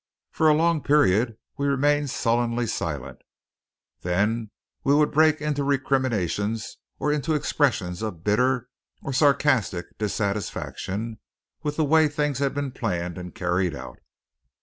For a long period we remained sullenly silent; then we would break into recriminations or into expressions of bitter or sarcastic dissatisfaction with the way things had been planned and carried out.